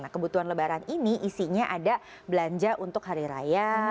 nah kebutuhan lebaran ini isinya ada belanja untuk hari raya